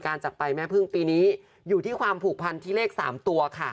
จากไปแม่พึ่งปีนี้อยู่ที่ความผูกพันที่เลข๓ตัวค่ะ